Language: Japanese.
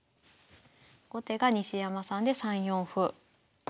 後手が西山さんで３四歩。